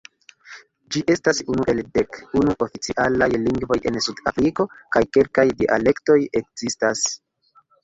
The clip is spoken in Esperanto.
Ĝi estas unu el dek unu oficialaj lingvoj en Sud-Afriko, kaj kelkaj dialektoj ekzistas.